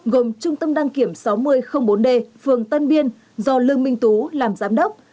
gồm trung tâm đăng kiểm sáu mươi bốn d phương tân biên do lương minh tú làm giám đốc